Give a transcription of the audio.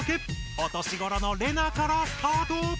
お年ごろのレナからスタート！